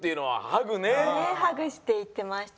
ハグしていってましたね。